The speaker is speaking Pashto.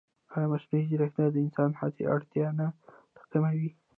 ایا مصنوعي ځیرکتیا د انساني هڅې اړتیا نه راکموي؟